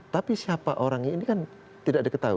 tapi siapa orangnya ini kan tidak diketahui